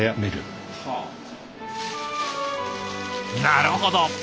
なるほど。